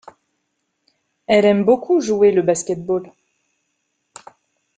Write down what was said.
Elle aime beaucoup jouer le basket-ball.